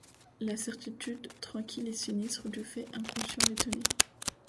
La certitude tranquille et sinistre du fait inconscient les tenait.